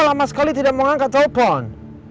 lama sekali tidak mengangkat telepon